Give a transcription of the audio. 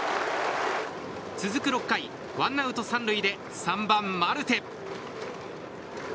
続く６回、ワンアウト３塁で３番、マルテ。